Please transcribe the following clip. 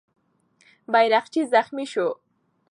بیرغچی زخمي سو.